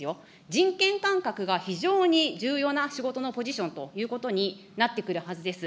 人権感覚が非常に重要な仕事のポジションということになってくるはずです。